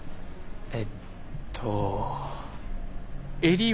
えっと。